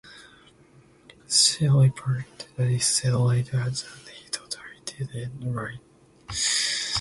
She reportedly said later that he "totally did it right".